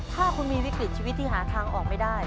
ถ้าคุณมีวิกฤตชีวิตที่หาทางออกไม่ได้